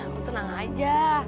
lo tenang aja